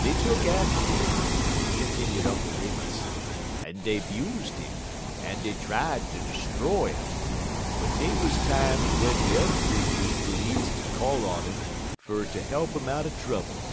"Dey tuck atter 'im," continued Uncle Remus, "en dey 'buzed 'im, en dey tried ter 'stroy 'im, but dey wuz times w'en de t'er creeturs bleedz ter call on 'im fer ter he'p 'em out dey trouble.